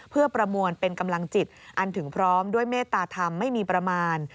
เพื่อประมวลเป็นกำลังจิตอันถึงพร้อมด้วยเมตตาธรรมไม่มีประมาณ